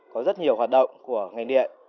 có rất nhiều hoạt động của ngành điện